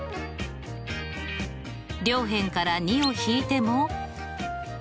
両辺から２を引いても。